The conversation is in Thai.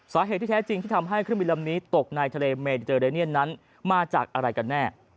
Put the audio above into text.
สาเหตุที่แท้จริงที่ทำให้เครื่องบินลำนี้ตกในทะเลเมดิเจอเรเนียนนั้นมาจากอะไรกันแน่